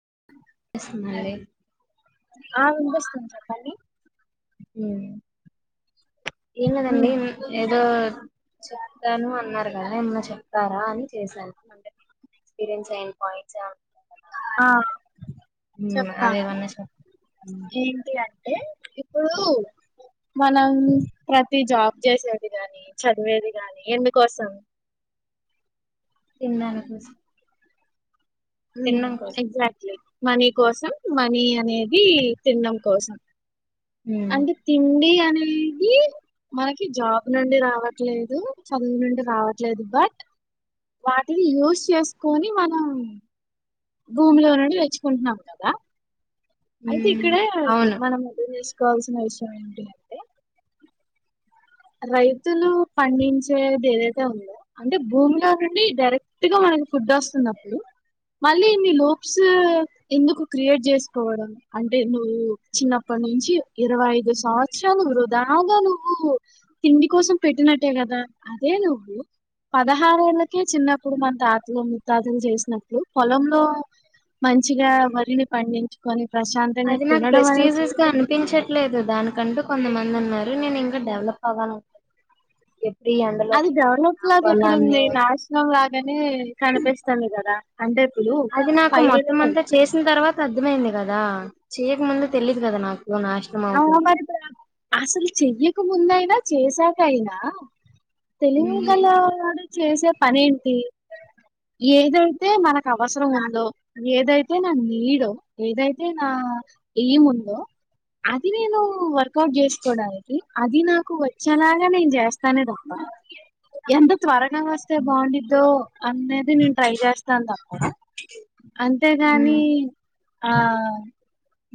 అ మరి ఆ వినిపిస్తుంది చెప్పండి హ్మ్ ఎంగాదండి ఉమ్ హ్మ్ ఏదో చెత్తాను అన్నారు గదా ఏమన్నా చెప్పారా అని చేశాను అంతే. ఎక్స్పీరియన్స్ గాని పాయిట్ గాని ఆ ఉమ్, చెప్తాను అవేమన్నా చెప్ ఏంటి అంట్ టె ఇప్పుడు మనం ప్రతి జాబ్ చేసేది గాని, చదివేది గాని ఎందుకోసం పిల్లల్ని చూస్ హ్మ్ ఎక్జాక్ట్లీ. మనీ కోసం, మనీ అనేది తినడం కోసం. ఉమ్, అంటే తిండి అని నేది మనకి జాబ్ నుండి రావట్లేదు, చదువు నుండి రావట్లేదు బట్, వాటిని యూస్ చేసుకొని మనం భూమిలో నుండి తెచ్చుకుంటున్నాం గదా. అయితే ఉమ్, ఇక్కడ అవును మనం అర్థం చేసుకోవాల్సిన విషయ యం ఏంటి అంటే రైతులు పండించేదేదైతే ఉందో అంటే భూమిలో నుండి డైరెక్ట్ గ మనకు ఫుడ్ వస్తున్నప్పుడు, మళ్ళీ మి లూప్స్ ఎందుకు క్రియేట్ చేసుకోవడం, అంటే నువ్వు చిన్నప్పటి నుంచి ఇరవై ఐదు సంవత్సరాలు వృధాగా నువ్వు తిండి కోసం పెట్టినట్టే గ, అదే నువ్వు పదహారేళ్ళకే చిన్నప్పుడు మన తాతలు ముత్తాతలు చేసినట్లు పొలంలో మంచ్ చిగా వరిని పండించుకొని ప్రశాంతంగా అది నాకు తినడమే జీవితమా ఏంటి? కంటూ కొంతమందున్నారు, నేనింకా డెవలప్ అవ్వాలనుకుంటు అది డెవలప్ లాగా ఎక్కడుంది? నేషనల్ లా గనే కనిపిస్తుంది గదా అది నాకు మొత్తం అంతా చేసిన్తర్వాత అర్థమయింది గదా చేయకముందు తెలీదు గదా నాక్ అవును మరిప్పుడు అసలు చెయ్యక ముందయినా చేశాక అయినా ఉమ్, తెలివిగల్ల వాడు చేసే పనేంటి? ఏదైతే మనక్ కవసరం ఉందో ఏదైతే నా నీడో, ఏదైతే నా ఎయిమ్ ఉందో అది నేను వర్కౌట్ జేస్కోడానికి అది నాకు వచ్చేలాగా నేన్జేస్తానే తప్ప, ఎంత త్వరగా వస్తే బాగుండిద్దో అన్నేది నేన్ ట్రై చేస్తాన్తప్ప అంతేగాని ఉమ్, అ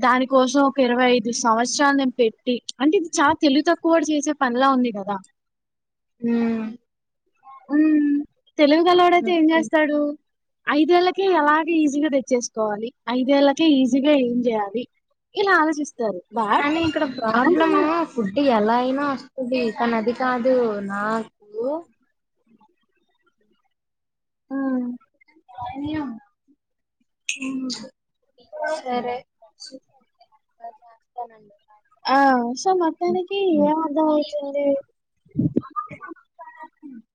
దాని కోసం ఒక ఇరవై అయిద్ దు సంవత్సరాలు నేన్పెట్టి అంటే ఇది చాలా తెలివి తక్కువోడు చేసే పనిలా ఉంది గదా? మ్ ఉమ్ తెలివిగల్లోడయితే ఏం ఓకే. జేస్తాడు? ఐదేళ్ళకే ఎలాగ ఈజీగా తెచ్చేసుకోవాలి ఐదేళ్ళకే ఈజీగా ఏం చేయాలి ఇలా ఆలోచిస్ కానీ ఇక్కడ ప్రాబ్లమ్ ఫుడ్ ఎలా ఐనా తుది తనది కాదు నాకు అ ఉ సరే చేస్తానండి ఆ సో ఉమ్, మొత్తానికి ఏం అర్థం అయితుంది అ